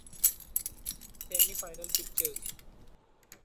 Semi final fixtures.